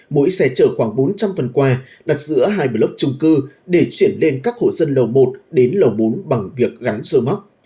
mỗi xe chở khoảng bốn trăm linh phần quà đặt giữa hai bờ lốc trung cư để chuyển lên các hồ dân lầu một đến lầu bốn bằng việc gắn sơ móc